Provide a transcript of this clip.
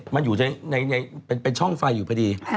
มันอยู่เป็นช่องไฟอยู่พอดี